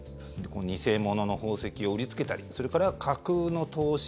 偽物の宝石を売りつけたりそれから架空の投資